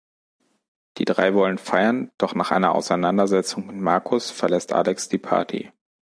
Die drei wollen feiern, doch nach einer Auseinandersetzung mit Marcus verlässt Alex die Party.